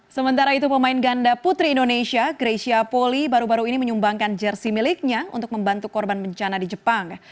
sementara itu pemain ganda putri indonesia greysia poli baru baru ini menyumbangkan jersi miliknya untuk membantu korban bencana di jepang